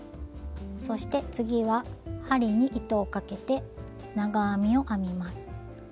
そして次は針に糸をかけて長編みを編みます。